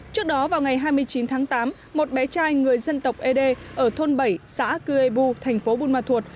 trước đó vào ngày hai mươi chín tháng tám một bé trai người dân tộc ế đê ở thôn bảy xã cư ê bu thành phố buôn ma thuột